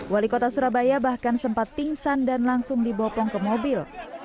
wali kota surabaya bahkan sempat pingsan dan langsung dibopong ke mobil